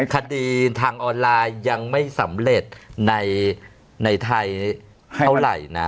คดีทางออนไลน์ยังไม่สำเร็จในไทยเท่าไหร่นะ